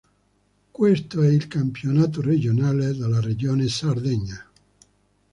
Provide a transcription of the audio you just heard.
Questo è il campionato regionale della regione Sardegna.